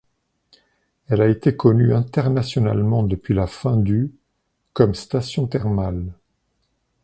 Elle a été connue internationalement depuis la fin du comme station thermale.